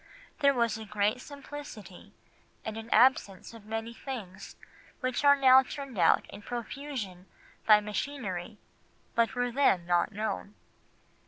There was a great simplicity, and an absence of many things which are now turned out in profusion by machinery but were then not known.